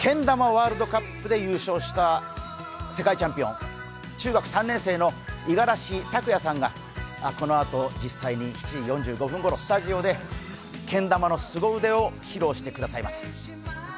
ワールドカップで優勝した世界チャンピオン、中学３年生の五十嵐拓哉さんがこのあと、実際に７時４５分ごろスタジオで、けん玉のすご腕を披露してくださいます。